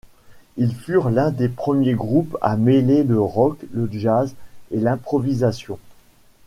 Ils furent l'un des premiers groupes à mêler le rock, le jazz et l'improvisation.